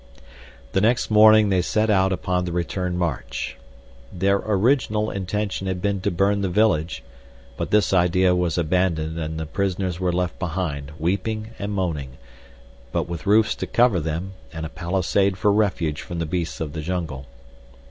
The next morning they set out upon the return march. Their original intention had been to burn the village, but this idea was abandoned and the prisoners were left behind, weeping and moaning, but with roofs to cover them and a palisade for refuge from the beasts of the jungle.